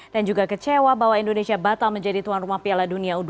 dan juga kecewa bahwa indonesia batal menjadi tuan rumah piala dunia u dua puluh